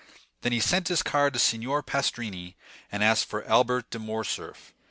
Then he sent his card to Signor Pastrini, and asked for Albert de Morcerf.